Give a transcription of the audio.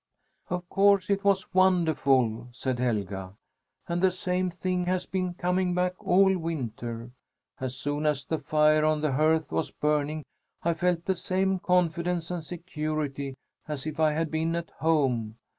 "Of course it was wonderful!" said Helga. "And the same thing has been coming back all winter. As soon as the fire on the hearth was burning, I felt the same confidence and security as if I had been at home.